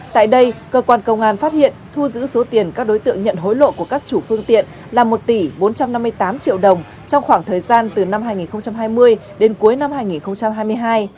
tại đây cơ quan công an phát hiện thu giữ số tiền các đối tượng nhận hối lộ của các chủ phương tiện là một tỷ bốn trăm năm mươi tám triệu đồng trong khoảng thời gian từ năm hai nghìn hai mươi đến cuối năm hai nghìn hai mươi hai